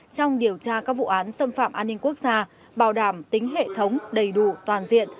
trong điều tra các vụ án xâm phạm an ninh quốc gia bảo đảm tính hệ thống đầy đủ toàn diện